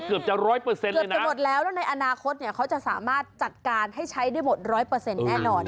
เกือบจะหมดแล้วแล้วในอนาคตเขาจะสามารถจัดการให้ใช้ได้หมด๑๐๐แน่นอน